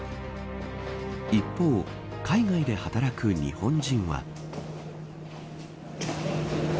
一方、海外で働く日本人は。